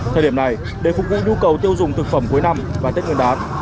thời điểm này để phục vụ nhu cầu tiêu dùng thực phẩm cuối năm và tết nguyên đán